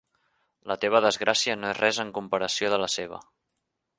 La teva desgràcia no és res en comparació de la seva.